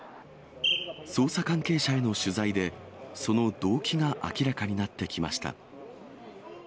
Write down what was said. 捜査関係者への取材で、その動機が明らかになってきました。